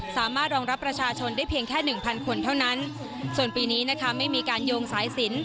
สามารถรองรับประชาชนได้เพียงแค่หนึ่งพันคนเท่านั้นส่วนปีนี้นะคะไม่มีการโยงสายสิน